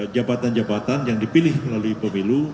jabatan jabatan yang dipilih melalui pemilu